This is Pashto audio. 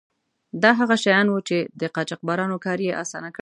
دا هغه شیان وو چې د قاچاقبرانو کار یې ډیر آسانه کړی و.